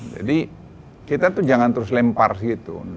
jadi kita jangan terus lempar gitu